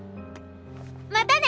またね！